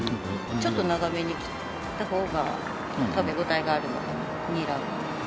ちょっと長めに切った方が食べ応えがあるのでニラの。